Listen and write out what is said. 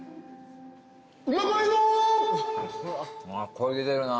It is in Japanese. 声出てるな。